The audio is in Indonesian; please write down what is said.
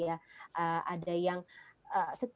ada yang stres kondisi psikologisnya terganggu